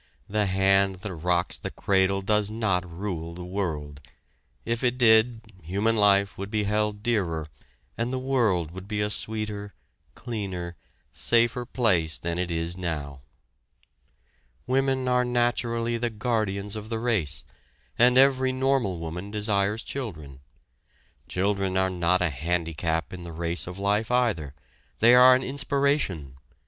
The hand that rocks the cradle does not rule the world. If it did, human life would be held dearer and the world would be a sweeter, cleaner, safer place than it is now! Women are naturally the guardians of the race, and every normal woman desires children. Children are not a handicap in the race of life either, they are an inspiration.